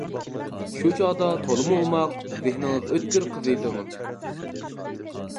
شۇ چاغدا تولىمۇ ئوماق، زېھنىڭىز ئۆتكۈر قىز ئىدىڭىز.